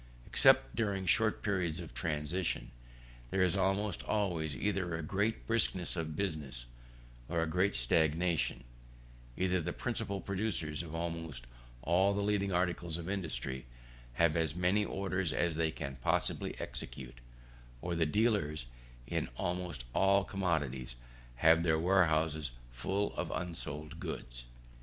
Except during short periods of transition, there is almost always either great briskness of business or great stagnation; either the principal producers of almost all the leading articles of industry have as many orders as they can possibly execute, or the dealers in almost all commodities have their warehouses full of unsold goods.